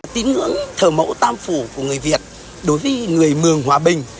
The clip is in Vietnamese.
tín ngưỡng thờ mẫu tam phủ của người việt đối với người mường hòa bình